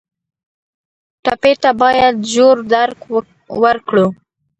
ټپي ته باید ژور درک ورکړو.